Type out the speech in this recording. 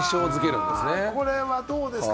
これはどうですか？